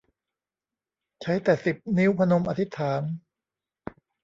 ใช้แต่สิบนิ้วพนมอธิษฐาน